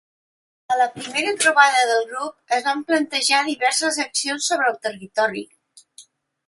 A la primera trobada del grup es van plantejar diverses accions sobre el territori.